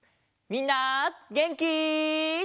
みんなげんき？